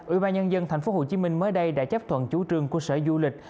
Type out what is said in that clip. ưu ba nhân dân thành phố hồ chí minh mới đây đã chấp thuận chủ trương của sở du lịch